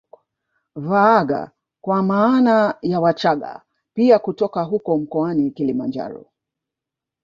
Vaagha kwa maana ya Wachaga pia kutoka huko mkoani Kilimanjaro